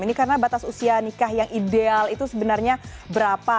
ini karena batas usia nikah yang ideal itu sebenarnya berapa